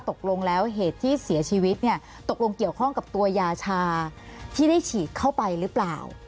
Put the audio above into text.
ตกลงแล้วเหตุที่เสียชีวิตเนี่ยตกลงเกี่ยวข้องกับตัวยาชาที่ได้ฉีดเข้าไปหรือเปล่า